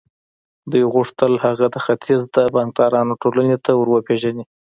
دوی غوښتل هغه د ختيځ د بانکدارانو ټولنې ته ور وپېژني.